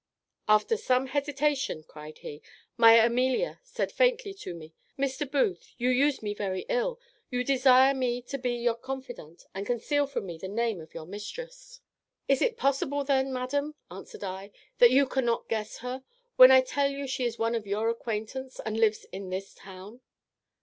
"After some hesitation," cried he, "my Amelia said faintly to me, 'Mr. Booth, you use me very ill; you desire me to be your confidante, and conceal from me the name of your mistress.' "Is it possible then, madam," answered I, "that you cannot guess her, when I tell you she is one of your acquaintance, and lives in this town?"